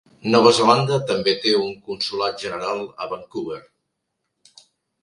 Nova Zelanda també té un consolat general a Vancouver.